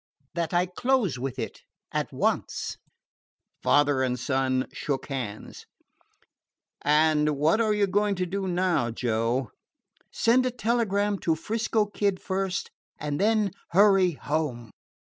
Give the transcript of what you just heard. "That I close with it at once." Father and son shook hands. "And what are you going to do now, Joe?" "Send a telegram to 'Frisco Kid first, and then hurry home."